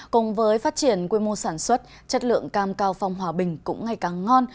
cùng với phát triển quy mô sản xuất chất lượng cam cao phong hòa bình cũng ngày càng ngon